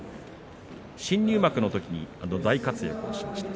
新入幕のとき大活躍をしました。